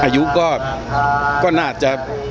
อายุก็น่าจะ